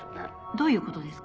どういうことですか？